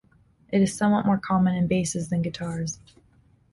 It is somewhat more common in basses than in guitars.